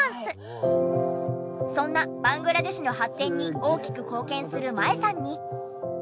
そんなバングラデシュの発展に大きく貢献する麻恵さんに。